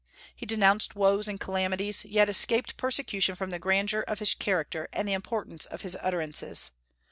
He denounced woes and calamities, yet escaped persecution from the grandeur of his character and the importance of his utterances.